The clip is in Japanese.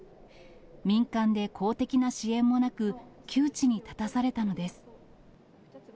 民間で公的な支援もなく、窮地に立たされたのです。